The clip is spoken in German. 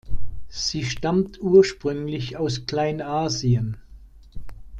Sie stammt ursprünglich aus Kleinasien.